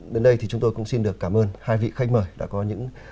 đến đây thì chúng tôi cũng xin được cảm ơn hai vị khách mời đã có những